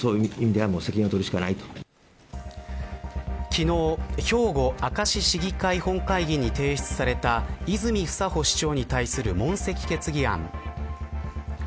昨日、兵庫明石市議会本会議に提出された泉房穂市長に対する問責決議案。